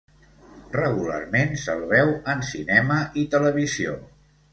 Regularment se'l veu en cinema i televisió.